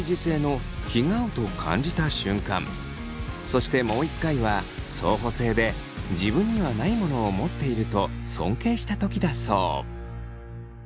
そしてもう一回は相補性で自分にはないものを持っていると尊敬した時だそう。